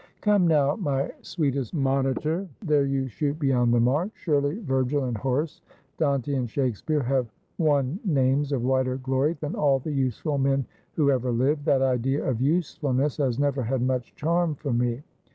' Come now, my sweetest monitor, there you shoot beyond the mark. Surely Virgil and Horace, Dante and Shakespeare, have won names of wider glory than all the useful men who ever lived. That idea of usefulness has never had much charm for me.